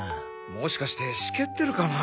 もしかして湿気ってるかな。